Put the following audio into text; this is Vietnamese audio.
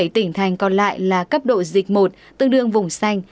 ba mươi bảy tỉnh thành còn lại là cấp độ dịch một tương đương vùng xanh